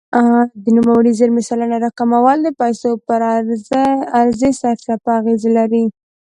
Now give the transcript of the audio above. د نوموړې زیرمې سلنه راکمول د پیسو پر عرضې سرچپه اغېز لري.